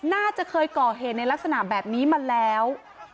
น่าจะเคยก่อเหตุในลักษณะแบบนี้มาแล้ว